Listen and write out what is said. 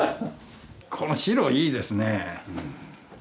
この白いいですね。